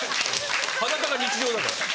・裸が日常だから。